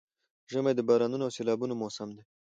ژمی د بارانونو او سيلابونو موسم دی؛